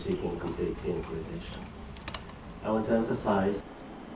tuyên bố chung tái khẳng định rằng con đường đối thoại vẫn rộng mở thông qua các hành động phi pháp khiêu khích và leo thang